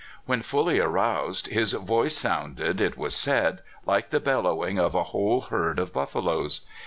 When fully aroused, his voice sounded, it was said, like the bellowing of a whole herd of buffaloes.